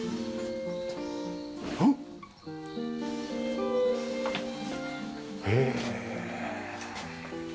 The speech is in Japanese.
うん？へえ。